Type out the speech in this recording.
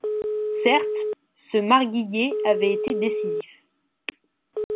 Certes, ce marguillier avait été décisif.